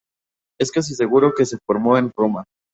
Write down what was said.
Es casi seguro que se formó en Roma.